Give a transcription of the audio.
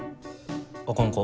あかんか？